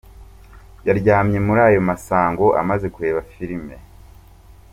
Yaryamye muri ayo masa ngo amaze kureba filime.